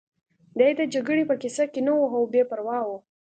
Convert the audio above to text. دی د جګړې په کیسه کې نه و او بې پروا و